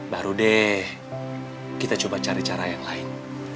baru deh kita coba cari cara yang lain